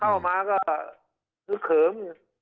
เข้ามาก็ฮึกเขิม